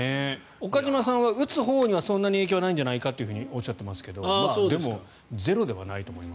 岡島さんは打つほうにはそんなに影響はないんじゃないかとおっしゃっていますがでも、ゼロではないと思います。